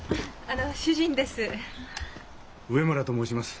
あの主人です。